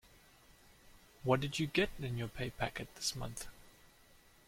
What did you get in your pay packet this month?